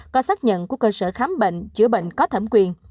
có xác nhận của cơ sở khám bệnh chữa bệnh có thẩm quyền